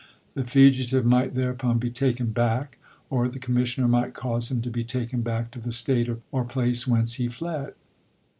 The fugitive might thereupon be taken back, or the commissioner might cause him to be taken back to the State or place whence he fled.